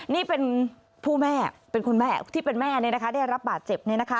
นี่เป็นผู้แม่เป็นคุณแม่ที่เป็นแม่ได้รับบาดเจ็บ